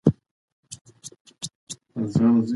که ناروغ تمرین ونه کړي، وضعیت یې خرابیږي.